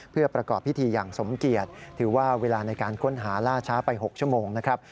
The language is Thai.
เพื่อประกอบพิธีอย่างสมเกียจถือว่าเวลาในการค้นหาล่าช้าไป๖ชั่วโมงนะครับ